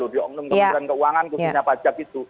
di oknum kementerian keuangan khususnya pajak itu